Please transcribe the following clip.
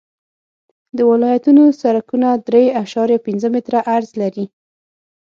د ولایتونو سرکونه درې اعشاریه پنځه متره عرض لري